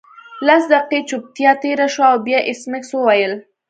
لس دقیقې چوپتیا تیره شوه او بیا ایس میکس وویل